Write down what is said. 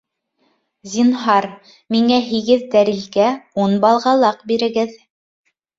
Зинһар, миңә һигеҙ тәрилкә, ун балғалаҡ бирегеҙ